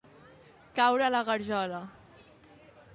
Caure a la garjola.